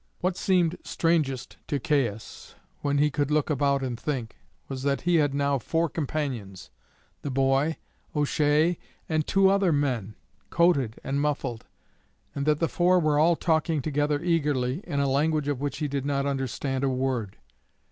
What seemed strangest to Caius, when he could look about and think, was that he had now four companions the boy, O'Shea, and two other men, coated and muffled and that the four were all talking together eagerly in a language of which he did not understand a word.